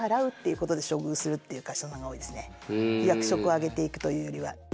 そういう人は役職を上げていくというよりは。